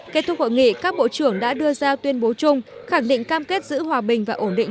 kết thúc hội nghị các bộ trưởng đã đưa ra tuyên bố chung khẳng định cam kết giữ hòa bình và ổn định